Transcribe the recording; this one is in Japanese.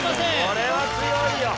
これは強いよ